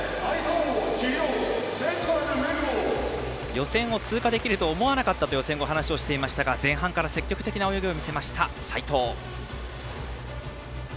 予選を通過できると思わなかったと予選後、話をしていましたが前半から積極的な泳ぎを見せました斎藤。